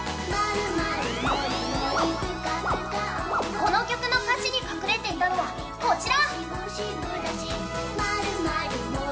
この曲の歌詞に隠れていたのは、こちら。